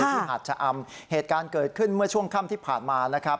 หาดชะอำเหตุการณ์เกิดขึ้นเมื่อช่วงค่ำที่ผ่านมานะครับ